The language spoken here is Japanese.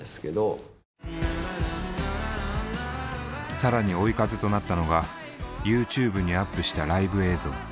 更に追い風となったのがＹｏｕＴｕｂｅにアップしたライブ映像。